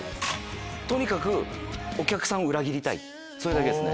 とにかくお客さんを裏切りたいそれだけですね。